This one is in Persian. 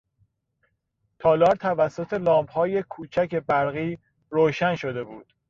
تالار توسط لامپهای کوچک برقی روشن شده بود.